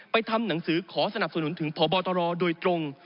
ทำหนังสือขอสนับสนุนถึงพบตรโดยตรง